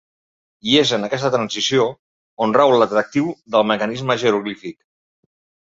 I és en aquesta transició on rau l'atractiu del mecanisme jeroglífic.